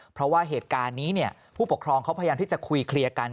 เพราะว่าเหตุการณ์นี้ผู้ปกครองเขาพยายามที่จะคุยเคลียร์กัน